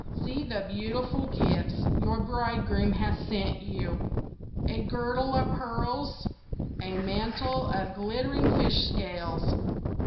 "See the beautiful gifts your bridegroom has sent you. A girdle of pearls! a mantle of glittering fish scales!